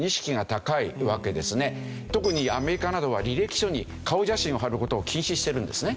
特にアメリカなどは履歴書に顔写真を貼る事を禁止してるんですね。